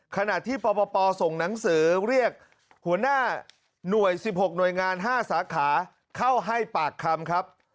ขณะที่ปปส่งหนังสือเรียกหัวหน้าหน่วย๑๖หน่วยงาน๕สาขาเข้าให้ปากคำครับ